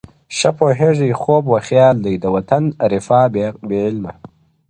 ښه پوهېږې خوب و خیال دی؛ د وطن رِفا بې علمه,